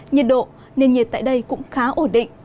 nhiệt độ nền nhiệt tại đây cũng khá ổn định